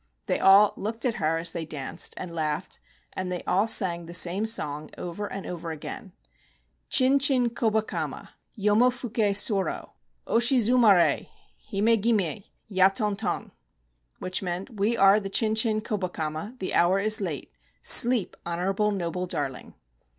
They all looked at her as they danced, and laughed, and they all sang the same song, over and over "Chin chin Kobakema, Yomo fyk6 soro, Oslmsii/tnare, Hime gimi! Ya ton ton!" Which meant: "We are the Chin chin Kobakama; the hour is late; sleep, honorable noble darling!"